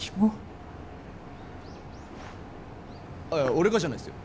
いや、俺がじゃないっすよ。